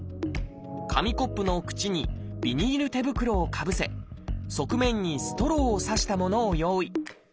紙コップの口にビニール手袋をかぶせ側面にストローを刺したものを用意。